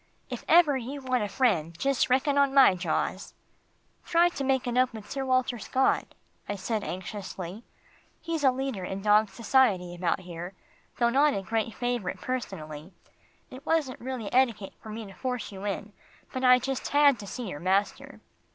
"If ever you want a friend just reckon on my jaws." "Try to make it up with Sir Walter Scott," I said anxiously. "He's a leader in dog society about here, though not a great favourite personally. It wasn't really etiquette for me to force you in, but I just had to see your master."